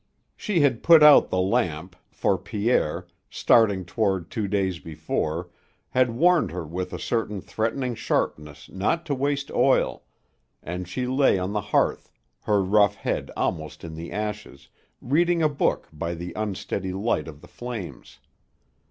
She had put out the lamp, for Pierre, starting townward two days before, had warned her with a certain threatening sharpness not to waste oil, and she lay on the hearth, her rough head almost in the ashes, reading a book by the unsteady light of the flames.